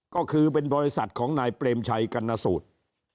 ก็คือเป็นบริษัทของนายเปรมชัยกรรณสูตร